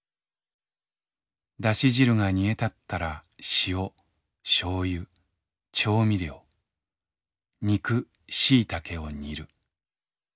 ダシ汁がにえたったら塩しょうゆ調味料肉しいたけをにる。